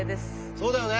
そうだよね。